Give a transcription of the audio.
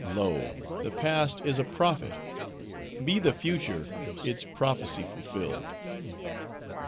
Lo! the past is a prophet. Be the future, its prophecy fulfilled."